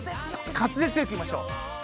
滑舌よくいきましょう。